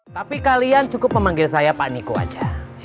tapi kalian cukup memanggil saya pak niko aja